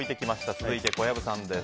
続いて小籔さんです。